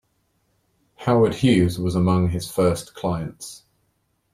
Howard Hughes was among his first clients.